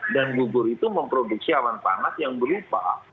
dan gugur itu memproduksi awan panas yang berupa